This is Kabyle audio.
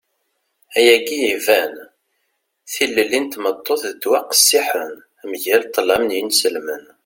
ayagi iban. tilelli n tmeṭṭut d ddwa qqessiḥen mgal ṭṭlam n yinselmen